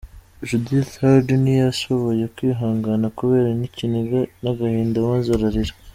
Judith Heard ntiyashoboye kwihangana kubera ikiniga n’agahinda maze ararira.